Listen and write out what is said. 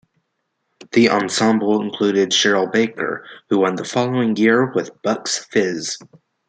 The ensemble included Cheryl Baker, who won the following year with Bucks Fizz.